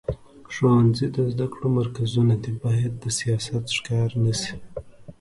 ښوونځي د زده کړو مرکزونه دي، باید د سیاست ښکار نه شي.